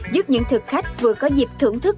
giúp những thực khách vừa có dịp thưởng thức